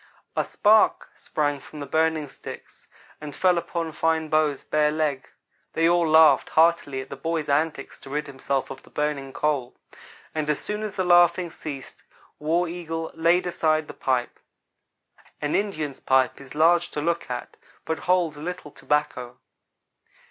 A spark sprang from the burning sticks, and fell upon Fine Bow's bare leg. They all laughed heartily at the boy's antics to rid himself of the burning coal; and as soon as the laughing ceased War Eagle laid aside the pipe. An Indian's pipe is large to look at, but holds little tobacco.